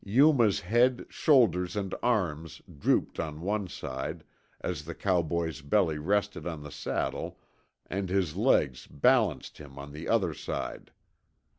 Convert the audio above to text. Yuma's head, shoulders, and arms drooped on one side, as the cowboy's belly rested on the saddle and his legs balanced him on the other side.